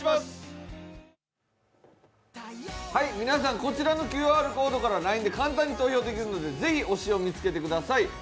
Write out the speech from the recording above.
皆さん、こちらのＱＲコードからＬＩＮＥで簡単に投票できるので、ぜひ推しを見つけてください。